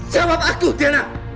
jawab aku tiana